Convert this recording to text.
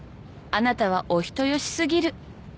「あなたはお人よしすぎる」